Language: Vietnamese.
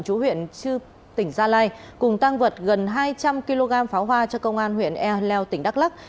chú huyện tỉnh gia lai cùng tăng vật gần hai trăm linh kg pháo hoa cho công an huyện ea leo tỉnh đắk lắc